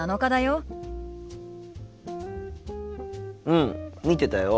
うん見てたよ。